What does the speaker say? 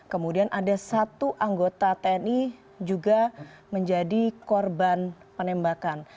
kemudian ada satu anggota tni juga menjadi korban penembakan